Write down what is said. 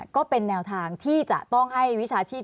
ก็เป็นแนวทางที่จะต้องให้วิชาชีพ